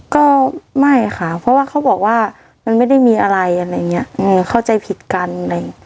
ก็ไม่ค่ะเพราะว่าเขาบอกว่ามันไม่ได้มีอะไรอะไรอย่างเงี้ยเข้าใจผิดกันอะไร